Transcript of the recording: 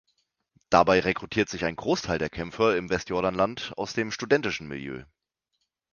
Dabei rekrutiert sich ein Großteil der Kämpfer im Westjordanland aus dem studentischen Milieu.